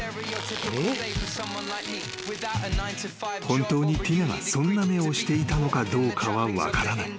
［本当にティナがそんな目をしていたのかどうかは分からない］